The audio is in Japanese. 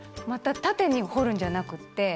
また縦に彫るんじゃなくって。